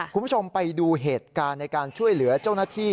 คุณผู้ชมไปดูเหตุการณ์ในการช่วยเหลือเจ้าหน้าที่